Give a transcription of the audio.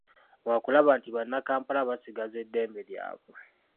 Wakulaba nti bannakampala basigaza eddembe lyabwe.